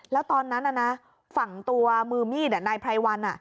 แล้วตอนนั้นฝั่งตัวมือมีดนายไพรวัน